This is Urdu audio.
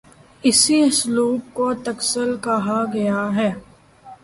اسی اسلوب کو تغزل کہا گیا ہے